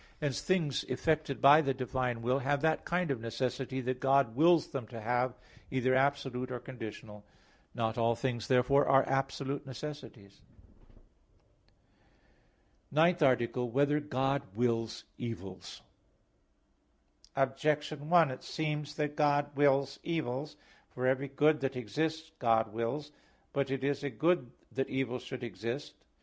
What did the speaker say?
Hence things effected by the divine will have that kind of necessity that God wills them to have, either absolute or conditional. Not all things, therefore, are absolute necessities. _______________________ NINTH ARTICLE [I, Q. 19, Art. 8] Whether God Wills Evils? Objection 1: It seems that God wills evils. For every good that exists, God wills. But it is a good that evil should exist.